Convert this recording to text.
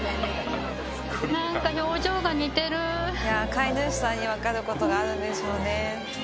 飼い主さんに分かることがあるんでしょうね。